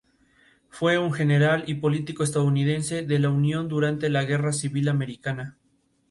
Fue un general y político estadounidense de la Unión durante la guerra civil americana.